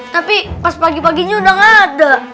tapi pas pagi paginya udah gak ada